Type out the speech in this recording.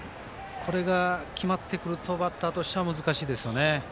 これが決まってくるとバッターとしては難しいですよね。